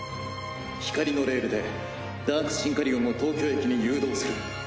光のレールでダークシンカリオンを東京駅に誘導する。